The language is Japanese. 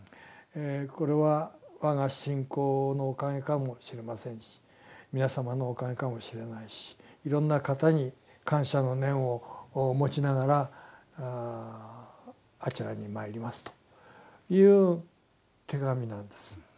これは我が信仰のおかげかもしれませんし皆さまのおかげかもしれないしいろんな方に感謝の念を持ちながらあちらに参りますという手紙なんです。